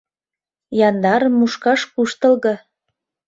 — Яндарым мушкаш куштылго.